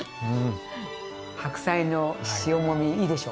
白菜の塩もみいいでしょ？